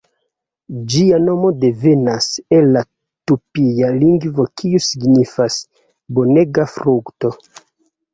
Ĝia nomo devenas el la tupia lingvo kiu signifas "bonega frukto".